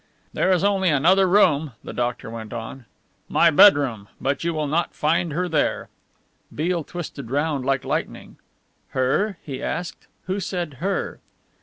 "There is only another room," the doctor went on, "my bedroom, but you will not find her there." Beale twisted round like lightning. "Her?" he asked. "Who said Her?"